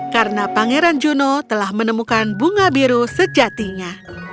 karena pangeran juno telah menemukan bunga biru sejatinya